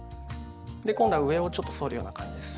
で今度は上をちょっと反るような感じです。